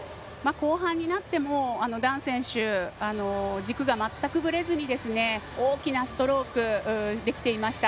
後半になってもダン選手軸がまったくぶれずに大きなストロークできていました。